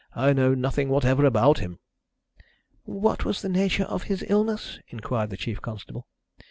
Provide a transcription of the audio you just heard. I know nothing whatever about him." "What was the nature of his illness?" inquired the chief constable.